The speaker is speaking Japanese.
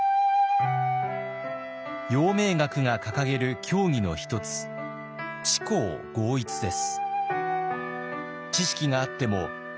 陽明学が掲げる教義の一つ「知行合一」です。